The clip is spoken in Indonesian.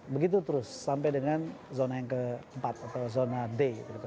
begitu terus sampai dengan zona yang keempat atau zona d